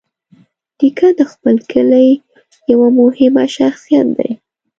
نیکه د خپل کلي یوه مهمه شخصیت دی.